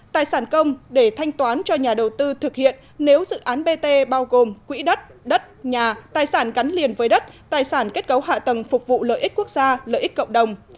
tài sản công để thanh toán cho nhà đầu tư thực hiện nếu dự án bt bao gồm quỹ đất đất nhà tài sản cắn liền với đất tài sản kết cấu hạ tầng phục vụ lợi ích quốc gia lợi ích cộng đồng